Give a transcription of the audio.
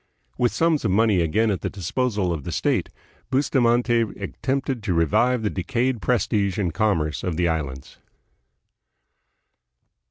With sums of money again at the disposal of the state, Bustamante attempted to revive the decayed prestige and commerce of the Islands.